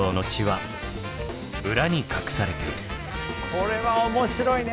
これは面白いね。